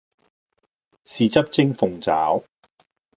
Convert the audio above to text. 豉汁蒸鳳爪